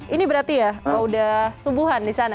ini berarti ya sudah subuhan di sana